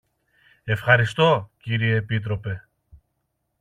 Ευχαριστώ, κύριε Επίτροπε.